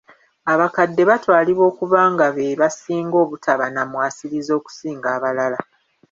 Abakadde batwalibwa okuba nga be basinga obutaba na mwasirizi okusinga abalala.